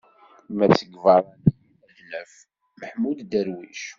Ma seg yibeṛṛaniyen ad d-naf: Maḥmud Darwic.